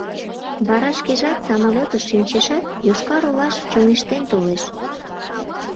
Вара шкежат самолетыш шинчешат, Йошкар-Олаш чоҥештен толеш.